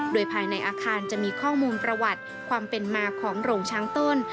โดยภายในอาคารจะมีข้อมูลประวัติความเป็นมาของโรงช้างต้น